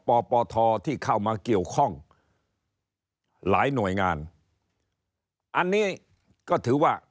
ปปทที่เข้ามาเกี่ยวข้องหลายหน่วยงานอันนี้ก็ถือว่า